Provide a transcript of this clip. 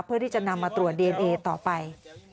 เพื่อที่จะนำมาตรวจดีเอนเอต่อไป